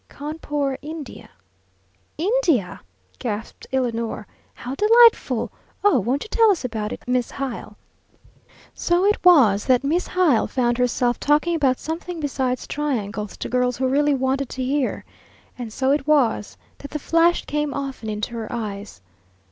"Cawnpore, India." "India?" gasped Eleanor. "How delightful! Oh, won't you tell us about it, Miss Hyle?" So it was that Miss Hyle found herself talking about something besides triangles to girls who really wanted to hear, and so it was that the flash came often into her eyes.